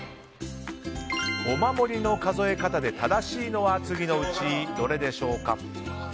お守りの数え方で正しいのは次のうちどれでしょうか。